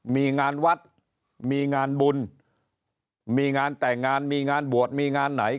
มีงานวัดมีงานบุญมีงานแต่งงานมีงานบวชมีงานไหน